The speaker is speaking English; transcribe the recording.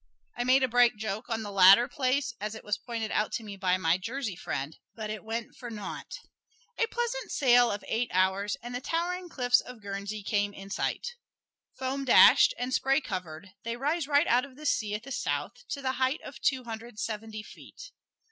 I made a bright joke on the latter place as it was pointed out to me by my Jersey friend, but it went for naught. A pleasant sail of eight hours and the towering cliffs of Guernsey came in sight. Foam dashed and spray covered they rise right out of the sea at the south, to the height of two hundred seventy feet.